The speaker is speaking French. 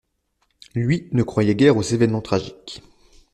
Lui ne croyait guère aux événements tragiques.